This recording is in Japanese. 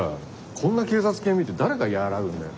こんな警察犬見て誰が和らぐんだよ。